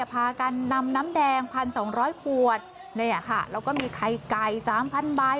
พากันนำน้ำแดงพันสองร้อยขวดแล้วก็มีไข่ไก่สามพันบาย